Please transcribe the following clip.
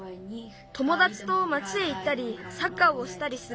ともだちと町へ行ったりサッカーをしたりする。